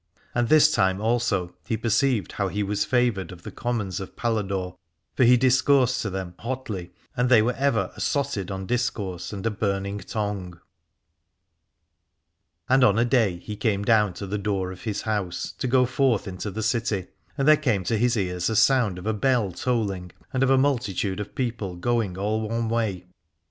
And this time also he perceived how he was favoured of the commons of Paladore ; for he discoursed to them hotly, and they were ever assotted on discourse and on a burning tongue. And on a day he came down to the door of his house, to go forth into the city : and there came to his ears a sound of a bell tolling and of a multitude of people going all one way.